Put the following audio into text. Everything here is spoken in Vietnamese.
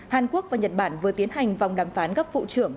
hàn quốc và nhật bản vừa tiến hành vòng đàm phán gấp vụ trưởng